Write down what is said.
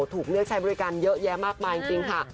ถูกเลือกใช้บริการเยอะแยะมากมายจริงค่ะ